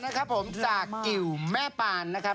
นะครับผมจากกิวแม่ปานนะครับ